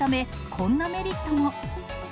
こんなメリットも。